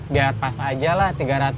biar pas aja lah tiga ratus